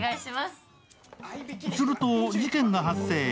すると事件が発生。